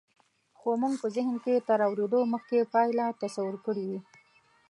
خو مونږ زهن کې تر اورېدو مخکې پایله تصور کړې وي